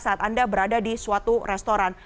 saat anda berada di suatu restoran